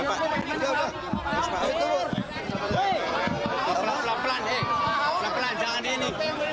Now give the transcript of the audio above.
pelan pelan jangan ini